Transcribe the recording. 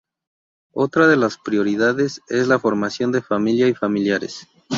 Otra de las prioridades es la formación de familia y familiares.